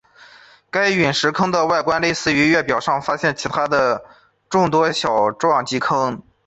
该陨坑的外观类似于月表上发现的其它众多的小撞击坑。